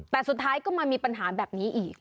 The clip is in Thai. แต่สุดท้ายก็มามีปัญหาแบบนี้อีก